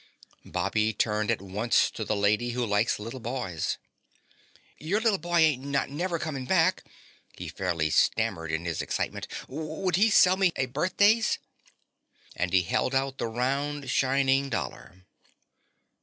Bobby turned at once to the Lady Who Likes Little Boys. "Your little boy ain't not never coming back," he fairly stammered in his excitement. "Would he sell me a birthdays?" And he held out the round, shining dollar.